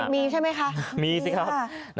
มีใช่ไหมคะมีสิครับ